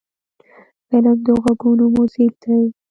فلم د غوږونو میوزیک دی